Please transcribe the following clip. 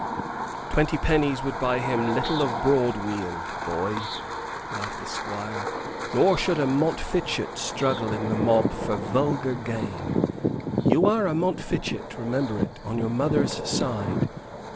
"Twenty pennies would buy him little of Broadweald, boy," laughed the Squire. "Nor should a Montfichet struggle in the mob for vulgar gain. You are a Montfichet remember it on your mother's side.